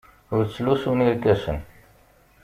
Ur ttlusun irkasen.